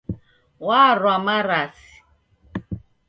Warwa marasi.